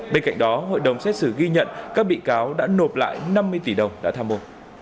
bên cạnh đó hội đồng xét xử ghi nhận các bị cáo đã nộp lại năm mươi tỷ đồng đã tham mưu